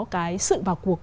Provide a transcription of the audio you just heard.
cái sự vào cuộc